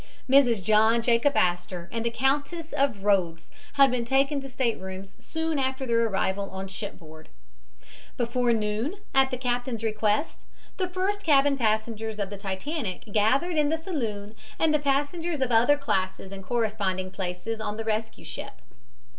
Mrs. John Jacob Astor and the Countess of Rothes had been taken to staterooms soon after their arrival on shipboard. Before noon, at the captain's request, the first cabin passengers of the Titanic gathered in the saloon and the passengers of other classes in corresponding places on the rescue ship.